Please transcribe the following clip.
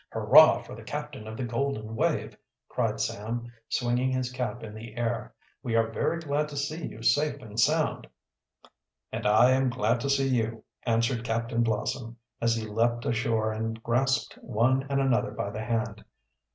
"Hurrah for the captain of the Golden Wave!" cried Sam, swinging his cap in the air. "We are very glad to see you safe and sound." "And I am glad to see you," answered Captain Blossom, as he leaped ashore and grasped one and another by the hand.